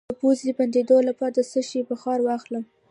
د پوزې د بندیدو لپاره د څه شي بخار واخلئ؟